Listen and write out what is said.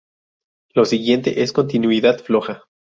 Lo siguiente es continuidad floja.